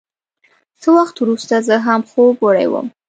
څه وخت وروسته زه هم خوب وړی وم.